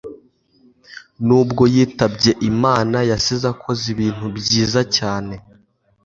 Nubwo yitabye Imana yasize akoze ibintu byiza cyane